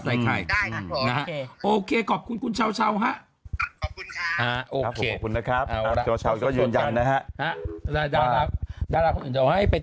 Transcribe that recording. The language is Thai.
ใส่ใครนะโอเคกับคุณเช่าฮะโอเคนะครับอยู่แล้วจะให้เป็น